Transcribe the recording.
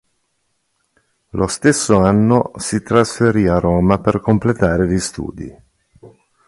Lo stesso anno si trasferì a Roma per completare gli studi.